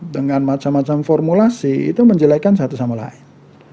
dengan macam macam formulasi itu menjelekan satu sama lain